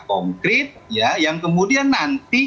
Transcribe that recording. konkret ya yang kemudian nanti